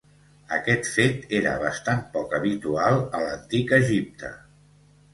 Aquest fet era bastant poc habitual a l'antic Egipte.